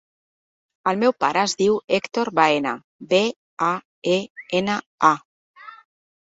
El meu pare es diu Hèctor Baena: be, a, e, ena, a.